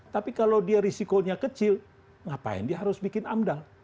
tapi kalau dia risikonya kecil ngapain dia harus bikin amdal